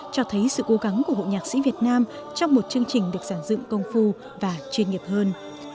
cho thấy sự cố gắng của hộ nhạc sĩ việt nam trong một chương trình được sản dựng công phu và chuyên nghiệp hơn